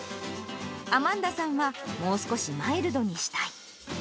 アマンダさんはもう少しマイルドにしたい。